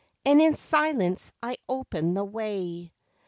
And in silence I open the way.